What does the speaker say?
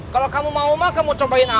kalau kamu mau mah ga mau lo promised ya